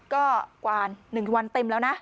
ก็กว่า๑วันเต็มแล้วนะ